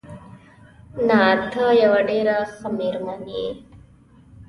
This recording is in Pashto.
نه، ته یوه ډېره ښه مېرمن یې.